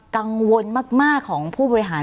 กังวลมากของผู้บริหาร